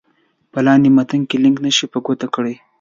په لاندې متن کې لیک نښې په ګوته کړئ.